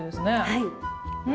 はい。